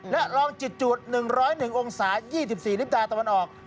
และลองจุด๑๐๑องศา๒๔นิตาตะวันออก